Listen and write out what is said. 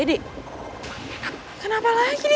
dari tepsilon yang gede